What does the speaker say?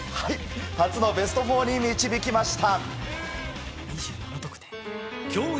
初のベスト４に導きました。